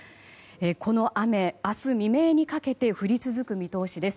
この雨、明日未明にかけて降り続く見通しです。